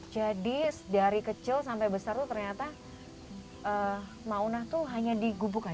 jadi dari kecil sampai besar tuh ternyata mauna tuh hanya digubuk aja